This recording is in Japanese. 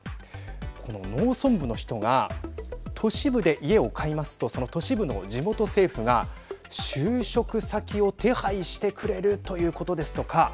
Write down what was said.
この農村部の人が都市部で家を買いますとその都市部の地元政府が就職先を手配してくれるということですとか